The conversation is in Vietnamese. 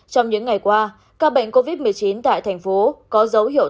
trong những ngày qua ca bệnh covid một mươi chín tại thành phố có dấu hiệu